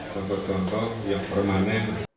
contoh contoh yang permanen